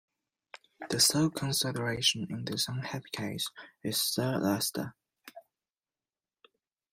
The sole consideration in this unhappy case is Sir Leicester.